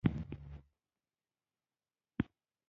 په افغانستان کې د موټر لېسنس باید برېښنایي شي